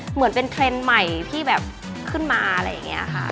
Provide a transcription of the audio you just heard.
เหมือนเป็นเทรนด์ใหม่ที่แบบขึ้นมาอะไรอย่างนี้ค่ะ